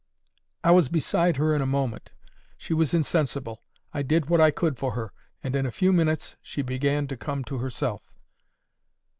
I was beside her in a moment. She was insensible. I did what I could for her, and in a few minutes she began to come to herself.